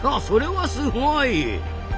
それはすごい！